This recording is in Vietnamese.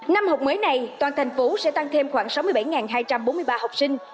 năm học mới này toàn thành phố sẽ tăng thêm khoảng sáu mươi bảy hai trăm bốn mươi ba học sinh